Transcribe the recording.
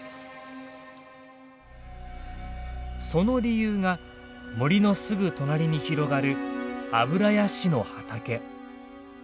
その理由が森のすぐ隣に広がるアブラヤシの畑。